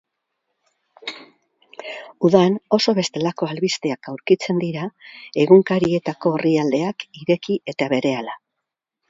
Udan oso bestelako albisteak aurkitzen dira egunkarietako orrialdeak ireki eta berehala.